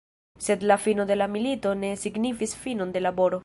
Sed la fino de la milito ne signifis finon de laboro.